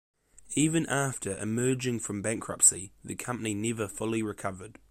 Even after emerging from bankruptcy, the company never fully recovered.